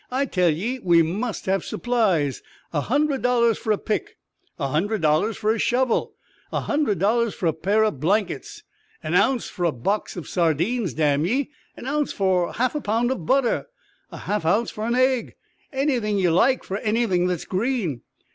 I tell ye, we must have supplies! A hundred dollars fer a pick! A hundred dollars fer a shovel! A hundred dollars fer a pair o' blankets! An ounce fer a box of sardines, damn ye! An ounce fer half a pound o' butter! A half ounce fer a aig! Anything ye like fer anything that's green!